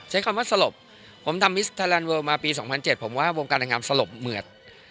ใช้คำว่าสลบผมทำมิสไทยแลนดเลิลมาปี๒๐๐๗ผมว่าวงการนางงามสลบเหมือด